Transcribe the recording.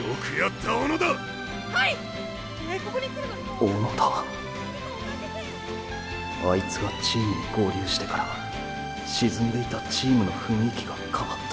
小野田あいつがチームに合流してから沈んでいたチームの雰囲気が変わった。